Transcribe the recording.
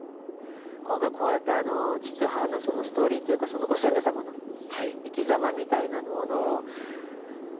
今回こうやって父と母のそのストーリーというかご先祖様の生きざまみたいなものをあの。